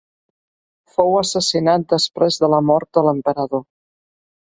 Fou assassinat després de la mort de l'emperador.